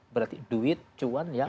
berarti duit cuan yang